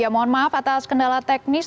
mohon maaf atas kendala teknis